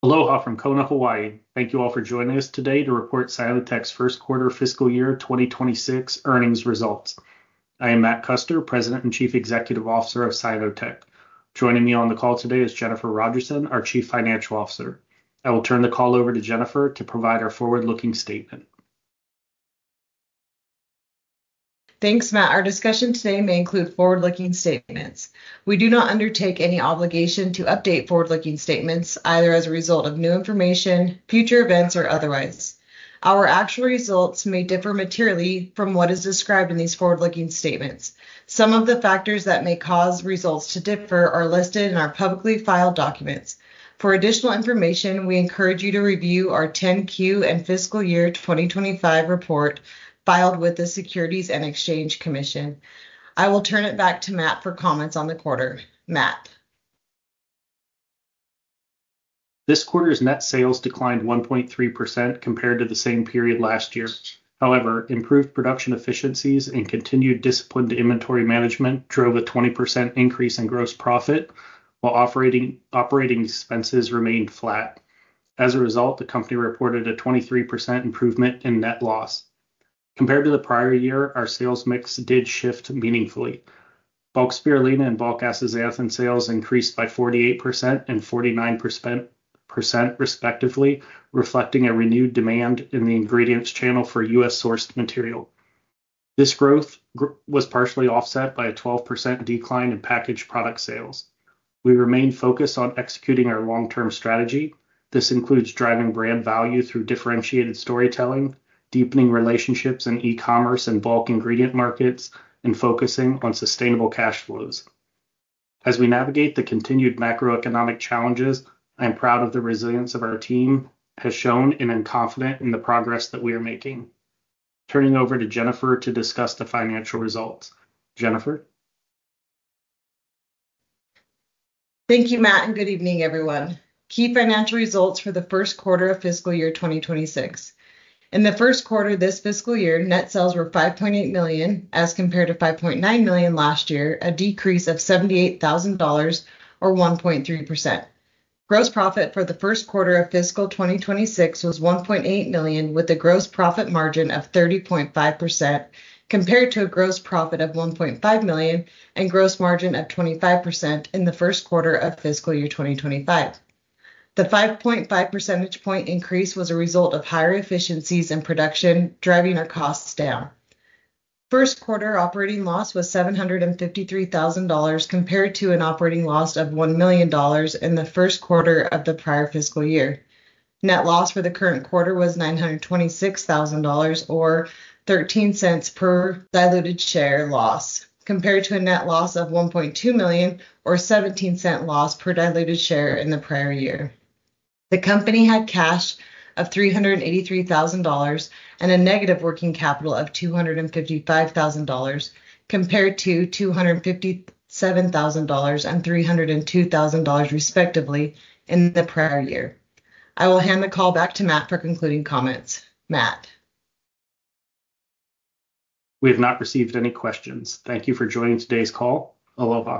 Aloha from Kona, Hawaii. Thank you all for joining us today to report Cyanotech's First Quarter Fiscal Year 2026 Earnings Results. I am Matt Custer, President and Chief Executive Officer of Cyanotech. Joining me on the call today is Jennifer Rogerson, our Chief Financial Officer. I will turn the call over to Jennifer to provide our forward-looking statement. Thanks, Matt. Our discussion today may include forward-looking statements. We do not undertake any obligation to update forward-looking statements, either as a result of new information, future events, or otherwise. Our actual results may differ materially from what is described in these forward-looking statements. Some of the factors that may cause results to differ are listed in our publicly filed documents. For additional information, we encourage you to review our 10-Q and fiscal year 2025 report filed with the Securities and Exchange Commission. I will turn it back to Matt for comments on the quarter. Matt. This quarter's net sales declined 1.3% compared to the same period last year. However, improved production efficiencies and continued disciplined inventory management drove a 20% increase in gross profit, while operating expenses remained flat. As a result, the company reported a 23% improvement in net loss. Compared to the prior year, our sales mix did shift meaningfully. Bulk spirulina and bulk astaxanthin sales increased by 48% and 49% respectively, reflecting a renewed demand in the ingredients channel for U.S.-sourced material. This growth was partially offset by a 12% decline in packaged product sales. We remain focused on executing our long-term strategy. This includes driving brand value through differentiated storytelling, deepening relationships in e-commerce and bulk ingredient markets, and focusing on sustainable cash flows. As we navigate the continued macroeconomic challenges, I am proud of the resilience of our team, as shown in confidence in the progress that we are making. Turning over to Jennifer to discuss the financial results. Jennifer. Thank you, Matt, and good evening, everyone. Key financial results for the first quarter of fiscal year 2026. In the first quarter of this fiscal year, net sales were $5.8 million as compared to $5.9 million last year, a decrease of $78,000 or 1.3%. Gross profit for the first quarter of fiscal 2026 was $1.8 million, with a gross profit margin of 30.5% compared to a gross profit of $1.5 million and a gross margin of 25% in the first quarter of fiscal year 2025. The 5.5% increase was a result of higher efficiencies in production, driving our costs down. First quarter operating loss was $753,000 compared to an operating loss of $1 million in the first quarter of the prior fiscal year. Net loss for the current quarter was $926,000 or $0.13 per diluted share loss, compared to a net loss of $1.2 million or $0.17 loss per diluted share in the prior year. The company had cash of $383,000 and a negative working capital of $255,000, compared to $257,000 and $302,000 respectively in the prior year. I will hand the call back to Matt for concluding comments. Matt. We have not received any questions. Thank you for joining today's call. Aloha.